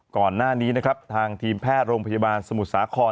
ก่อนหน้านี้นะครับทางทีมแพทย์โรงพยาบาลสมุทรสาคร